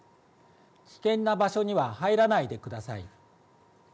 危険な場所には入らないでください。